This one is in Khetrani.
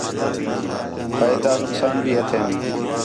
فائدہ، نقصان بھی ہتھین